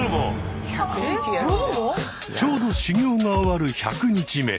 ちょうど修行が終わる１００日目。